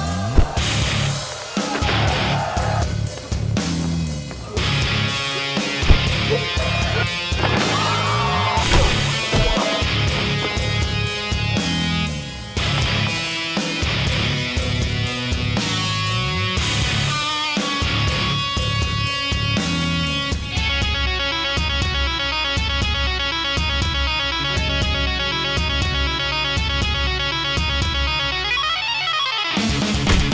ini yang kita